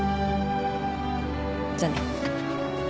じゃあね。